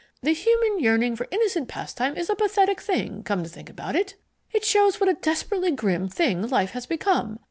The human yearning for innocent pastime is a pathetic thing, come to think about it. It shows what a desperately grim thing life has become.